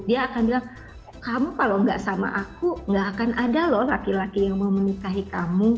dia akan bilang kamu kalau nggak sama aku gak akan ada loh laki laki yang mau menikahi kamu